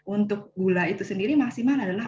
untuk gula itu sendiri maksimal adalah